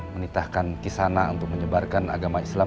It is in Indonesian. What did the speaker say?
menitahkan kisah anak untuk menyebarkan agama islam